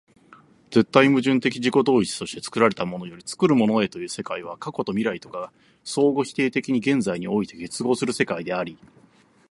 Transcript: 絶対矛盾的自己同一として作られたものより作るものへという世界は、過去と未来とが相互否定的に現在において結合する世界であり、